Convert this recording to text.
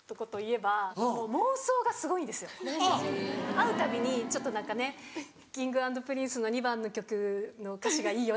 会うたびにちょっと何かねっＫｉｎｇ＆Ｐｒｉｎｃｅの２番の曲の歌詞がいいよね！